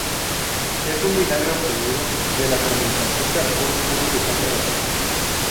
Es un vinagre obtenido de la fermentación del alcohol puro de caña de azúcar.